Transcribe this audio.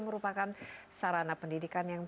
merupakan sarana pendidikan yang